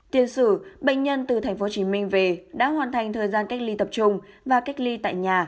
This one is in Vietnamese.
tiền sử bệnh nhân từ tp hcm về đã hoàn thành thời gian cách ly tập trung và cách ly tại nhà